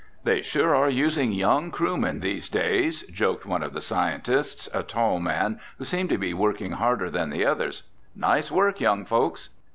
"They sure are using young crewmen these days!" joked one of the scientists, a tall man who seemed to be working harder than the others. "Nice work, young folks!"